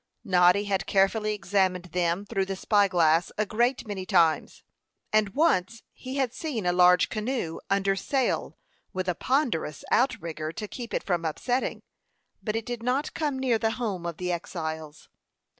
Noddy had carefully examined them through the spy glass a great many times; and once he had seen a large canoe, under sail, with a ponderous "out rigger" to keep it from upsetting; but it did not come near the home of the exiles.